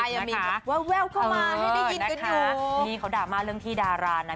ยังมีแบบแววแววเข้ามาให้ได้ยินกันอยู่นี่เขาดราม่าเรื่องที่ดารานะ